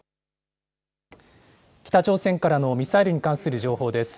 北朝鮮からのミサイルに関する情報です。